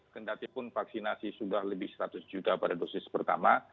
kendatipun vaksinasi sudah lebih seratus juta pada dosis pertama